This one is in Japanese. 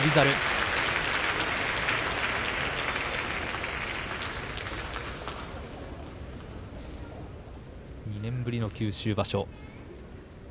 拍手２年ぶりの九州場所。